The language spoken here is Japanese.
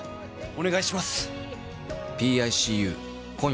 お願いします。